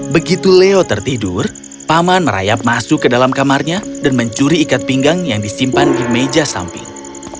begitu leo tertidur paman merayap masuk ke dalam kamarnya dan mencuri ikat pinggang yang disimpan di meja samping